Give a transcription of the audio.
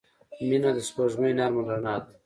• مینه د سپوږمۍ نرمه رڼا ده.